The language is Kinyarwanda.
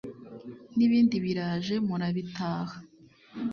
n’ibindi biraje murabitaha”